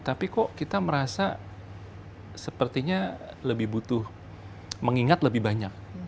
tapi kok kita merasa sepertinya lebih butuh mengingat lebih banyak